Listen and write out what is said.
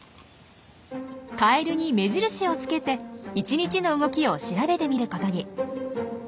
カエルに目印をつけて１日の動きを調べてみることに。